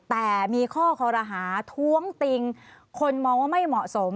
แต่มีข้อคอรหาท้วงติงคนมองว่าไม่เหมาะสม